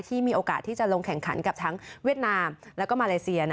มีโอกาสที่จะลงแข่งขันกับทั้งเวียดนามแล้วก็มาเลเซีย